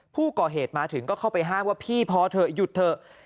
ผู้ก่อเหตุมาถึงก็เข้าไปห้ามว่าพี่พอเถอะหยุดเถอะ